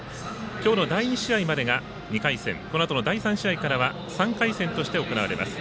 今日の第２試合までが２回戦、このあとの第３試合からは３回戦として行われます。